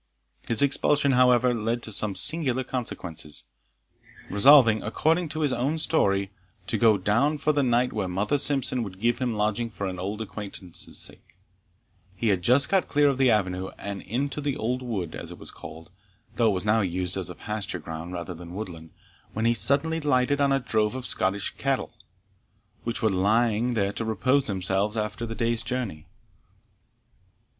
His expulsion, however, led to some singular consequences. Resolving, according to his own story, to go down for the night where Mother Simpson would give him a lodging for old acquaintance' sake, he had just got clear of the avenue, and into the old wood, as it was called, though it was now used as a pasture ground rather than woodland, when he suddenly lighted on a drove of Scotch cattle, which were lying there to repose themselves after the day's journey.